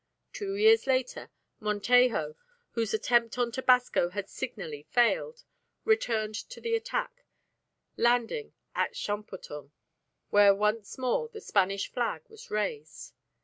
Two years later Montejo, whose attempt on Tabasco had signally failed, returned to the attack, landing at Champoton, where once more the Spanish flag was raised.